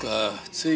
つい。